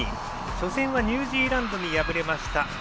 初戦はニュージーランドに敗れました。